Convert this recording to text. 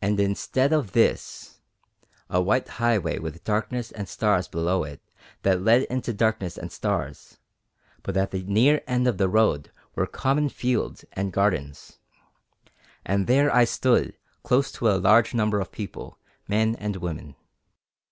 And instead of this a white highway with darkness and stars below it that led into darkness and stars, but at the near end of the road were common fields and gardens, and there I stood close to a large number of people, men and women.